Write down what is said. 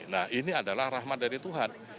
nah ini adalah rahmat dari tuhan